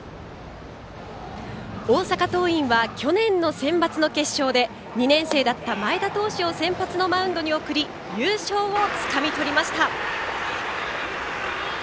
大阪桐蔭は去年のセンバツの決勝で２年生だった前田投手を先発のマウンドに送り優勝をつかみとりました。